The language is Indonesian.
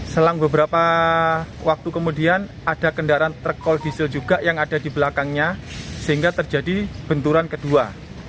selang beberapa waktu kemudian ada kendaraan truk call diesel juga yang ada di belakangnya sehingga terjadi benturan kedua